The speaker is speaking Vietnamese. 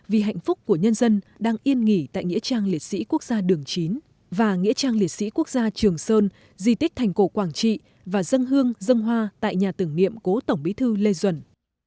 vì hạnh phúc của nhân dân đang yên nghỉ tại nghĩa trang liệt sĩ quốc gia đường chín và nghĩa trang liệt sĩ quốc gia trường sơn di tích thành cổ quảng trị và dân hương dân hoa tại nhà tưởng niệm cố tổng bí thư lê duẩn